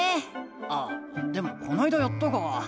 あでもこないだやったか。